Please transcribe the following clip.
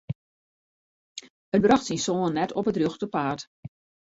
It brocht syn soan net op it rjochte paad.